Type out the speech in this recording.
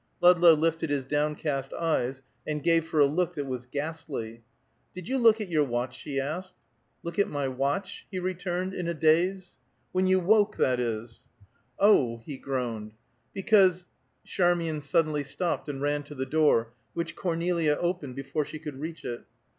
Ludlow lifted his downcast eyes, and gave her a look that was ghastly. "Did you look at your watch?" she asked. "Look at my watch?" he returned in a daze. "When you woke, that is." "Oh!" he groaned. "Because " Charmian suddenly stopped and ran to the door, which Cornelia opened before she could reach it.